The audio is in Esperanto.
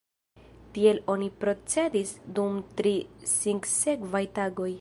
Tiel oni procedis dum tri sinsekvaj tagoj.